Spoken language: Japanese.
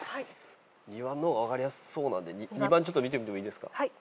２番の方が分かりやすそうなんで２番見てみてもいいですか？